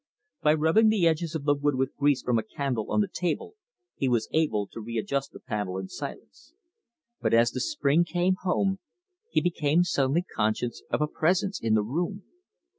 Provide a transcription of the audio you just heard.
By rubbing the edges of the wood with grease from a candle on the table, he was able to readjust the panel in silence. But, as the spring came home, he became suddenly conscious of a presence in the room.